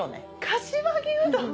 柏木うどん！